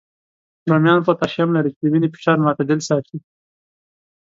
رومیان پوتاشیم لري، چې د وینې فشار معتدل ساتي